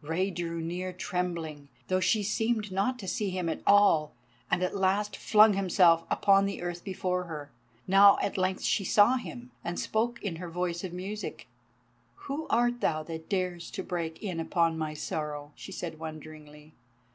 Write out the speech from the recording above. Rei drew near trembling, though she seemed to see him not at all, and at last flung himself upon the earth before her. Now at length she saw him, and spoke in her voice of music. "Who art thou that dares to break in upon my sorrow?" she said wonderingly.